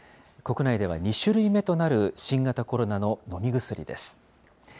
国内では２種類目となる新型コロナの飲み薬です。